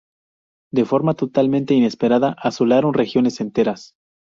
De forma totalmente inesperada asolaron regiones enteras.